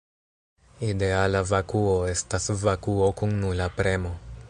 Ideala vakuo estas vakuo kun nula premo.